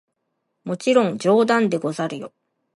もちろん冗談でござるよ！